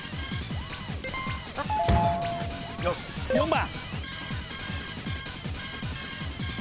４番。